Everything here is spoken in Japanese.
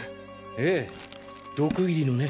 ええ毒入りのね。